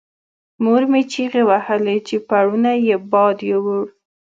مور مې چیغې وهلې چې پوړونی یې باد یووړ.